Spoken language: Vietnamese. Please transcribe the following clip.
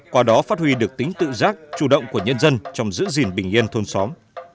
qua đó phát huy được tính tự giác chủ động của nhân dân trong giữ gìn bình yên thôn xóm